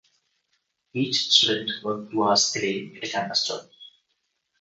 Each student worked two hours a day at a campus job.